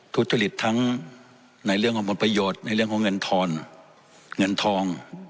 ทุจริตทั้งในเรื่องของผลประโยชน์ในเรื่องของเงินทอนเงินทอง